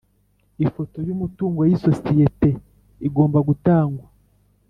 ifoto y umutungo y isosiyete igomba gutangwa